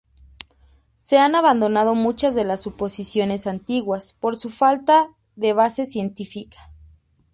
Se han abandonado muchas de las suposiciones antiguas por su falta de base científica.